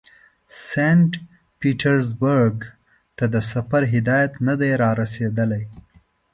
سینټ پیټرزبورګ ته د سفر هدایت نه دی را رسېدلی.